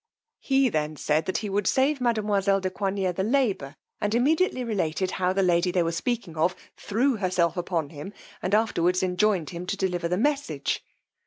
He them said that he would save mademoiselle de Coigney the labour, and immediately related how the lady they were speaking of threw herself upon him, and afterwards enjoined him to deliver the message.